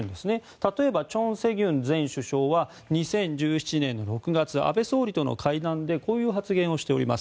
例えばチョン・セギュン前首相は２０１７年６月安倍総理との会談でこういう発言をしております。